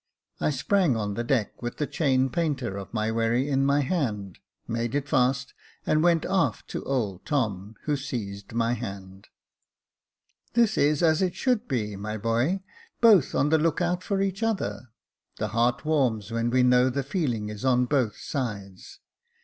I sprang on the deck, with the chain painter of the wherry in my hand, made it fast, and went aft to old Tom, who seized my hand. " This is as it should be, my boy, both on the look out for each other. The heart warms when we know the feeling is on both sides.